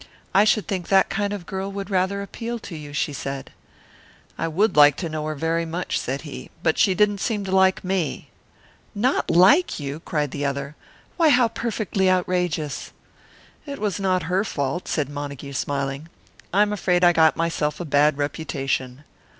"I should think that kind of a girl would rather appeal to you," she said. "I would like to know her very much," said he, "but she didn't seem to like me." "Not like you!" cried the other. "Why, how perfectly outrageous!" "It was not her fault," said Montague, smiling; "I am afraid I got myself a bad reputation."